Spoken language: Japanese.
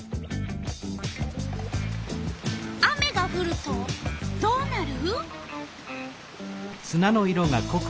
雨がふるとどうなる？